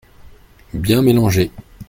Bien mélanger.